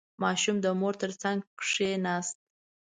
• ماشوم د مور تر څنګ کښېناست.